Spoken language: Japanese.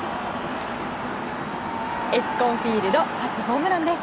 エスコンフィールド初ホームランです。